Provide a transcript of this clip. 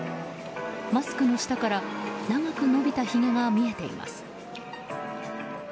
マスクの下から長く伸びたひげが見えています。